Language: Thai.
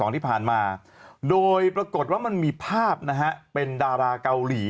ที่ผ่านมาโดยปรากฏว่ามันมีภาพนะฮะเป็นดาราเกาหลี